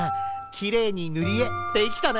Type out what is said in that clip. きれいにぬりえできたね！